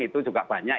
itu juga banyak